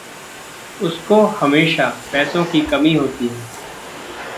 उसको हमेशा पैसों की कमी होती है।